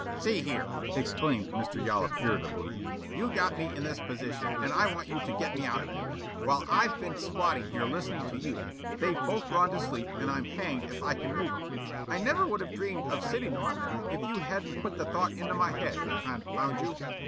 "See here," exclaimed Mr. Yollop, irritably; "you got me in this position and I want you to get me out of it. While I've been squatting here listening to you, they've both gone to sleep and I'm hanged if I can move 'em. I never would have dreamed of sitting on them if you hadn't put the idea into my head, confound you."